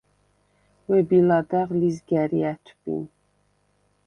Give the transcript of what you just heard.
ვები ლადეღ ლიზგა̈რი ა̈თვბინ;